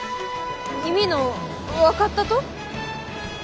意味の分かったと？